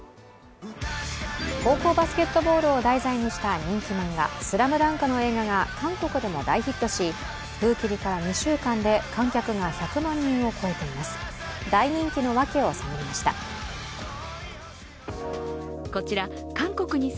高校バスケットボールを題材にした人気漫画「ＳＬＡＭＤＵＮＫ」の映画が韓国でも大ヒットし、封切りから２週間で観客が１００万人を超えています。